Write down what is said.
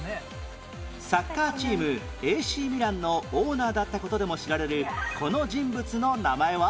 サッカーチーム ＡＣ ミランのオーナーだった事でも知られるこの人物の名前は？